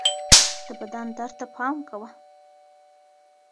د بدن درد ته پام کوه